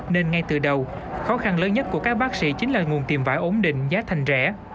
nên ngay từ đầu khó khăn lớn nhất của các bác sĩ chính là nguồn tiềm vải ổn định giá thành rẻ